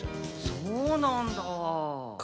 そうなんだ。